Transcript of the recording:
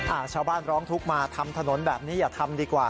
ชาวบ้านร้องทุกข์มาทำถนนแบบนี้อย่าทำดีกว่า